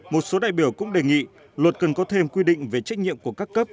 một số đại biểu cũng đề nghị luật cần có thêm quy định về trách nhiệm của các cấp